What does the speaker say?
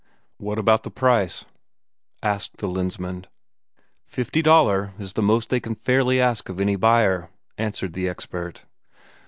"What about the price?" asked the Lensmand. "Fifty Daler is the most they can fairly ask of any buyer," answered the expert.